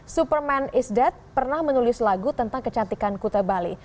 superman is dead pernah menulis lagu tentang kecantikan kuta bali